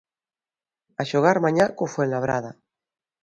A xogar mañá co Fuenlabrada.